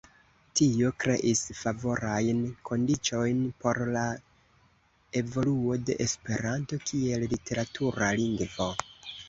Tio kreis favorajn kondiĉojn por la evoluo de Esperanto kiel literatura lingvo.